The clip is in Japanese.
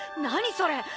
何それ？